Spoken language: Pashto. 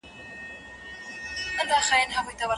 ړوند سړی به له ږیري سره ډوډۍ او مڼه وانه خلي.